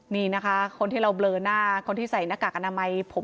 นี่นะคะคนที่เราเบลอหน้าคนที่ใส่หน้ากากอนามัยผม